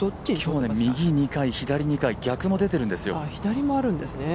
今日は右２回、左２回、逆も出ているんですよ。